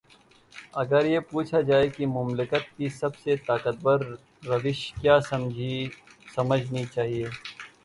اگر یہ پوچھا جائے کہ مملکت کی سب سے طاقتور روش کیا سمجھنی چاہیے۔